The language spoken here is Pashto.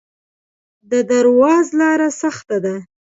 د درواز لاره سخته ده